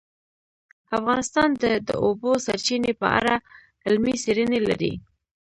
افغانستان د د اوبو سرچینې په اړه علمي څېړنې لري.